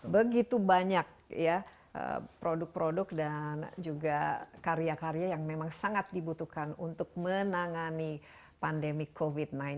begitu banyak ya produk produk dan juga karya karya yang memang sangat dibutuhkan untuk menangani pandemi covid sembilan belas